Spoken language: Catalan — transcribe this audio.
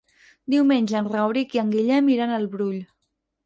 Diumenge en Rauric i en Guillem iran al Brull.